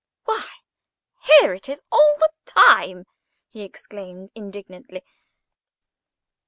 "Why, here it is all the time," he exclaimed, indignantly.